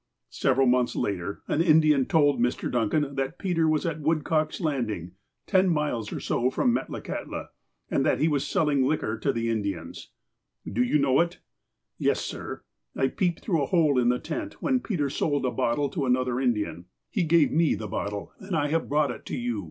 Several months later, an Indian told INIr. Duncan that Peter was at Woodcock's Landing, ten miles or so from Metlakahtla, and that he was selling liquor to the Indians. " Do you know it ?"" Yes, sir. I peeped through a hole in the tent, when Peter sold a bottle to another Indian. He gave me the 210 THE APOSTLE OF ALASKA bottle and I have brought it to you.